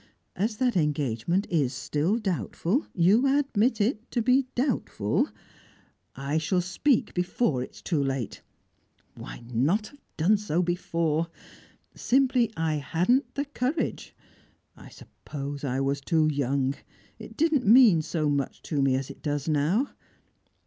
As that engagement is still doubtful you admit it to be doubtful I shall speak before it is too late. Why not have done so before? Simply, I hadn't the courage. I suppose I was too young. It didn't mean so much to me as it does now.